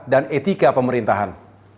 dan etika pemerintahan